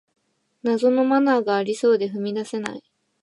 謎のマナーがありそうで踏み出せない